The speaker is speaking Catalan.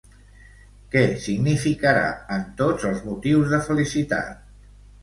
Què significarà en tots els motius de felicitat?